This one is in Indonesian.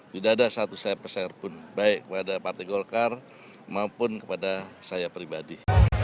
tidak ada satu sepsen pun baik pada partai golkar maupun kepada saya pribadi